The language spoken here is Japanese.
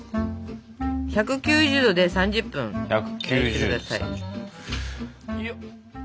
１９０℃で３０分焼いて下さい。